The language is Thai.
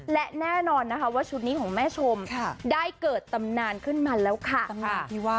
และแน่นอนนะคะว่าชุดนี้ของแม่ชมได้เกิดตำนานขึ้นมาแล้วค่ะตำนานที่ว่า